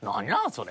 それ。